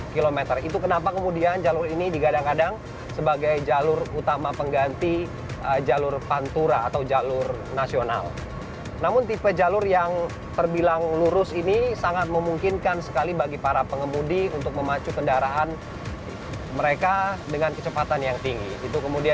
korespondensi nn indonesia femya friadi memiliki tantangan tersendiri